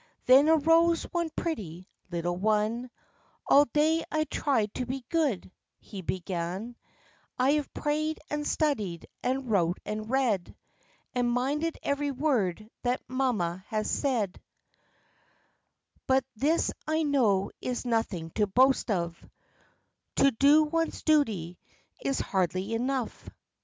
Then arose one pretty little one : "All day I tried to be good," he begun; " I have prayed, and studied, and wrote, and read, And minded every word that mamma has said; 86 THE LIFE AND ADVENTURES But this I know is nothing to boast of; To do one's duty is hardly enough."